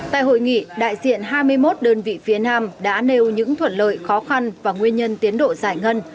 tại hội nghị đại diện hai mươi một đơn vị phía nam đã nêu những thuận lợi khó khăn và nguyên nhân tiến độ giải ngân